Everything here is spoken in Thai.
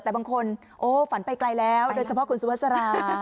แต่บางคนโอ้ฝันไปไกลแล้วโดยเฉพาะคุณสุภาษา